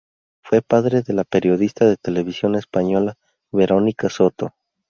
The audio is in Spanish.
Fue padre de la periodista de Televisión Española Verónica Soto.